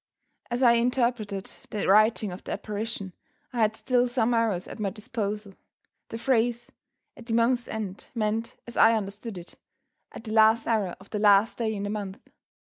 As I interpreted the writing of the apparition, I had still some hours at my disposal. The phrase, "at the month's end," meant, as I understood it, at the last hour of the last day in the month.